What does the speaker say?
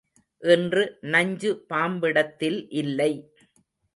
இன்று நஞ்சு பாம்பிடத்தில் இல்லை.